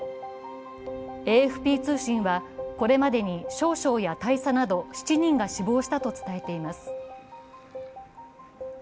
ＡＦＰ通信はこれまでに少将や大佐など７人が死亡したと伝えています。